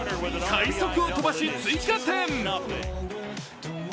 快足を飛ばし、追加点。